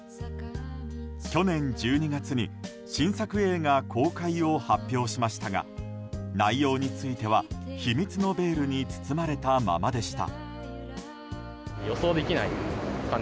去年１２月に新作映画公開を発表しましたが内容については秘密のベールに包まれたままでした。